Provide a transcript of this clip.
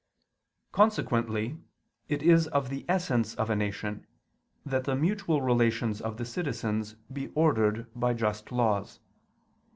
Consequently it is of the essence of a nation that the mutual relations of the citizens be ordered by just laws.